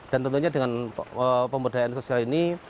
dan tentunya dengan pemberdayaan sosial ini